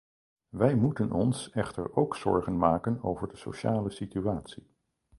Wij moeten ons echter ook zorgen maken over de sociale situatie.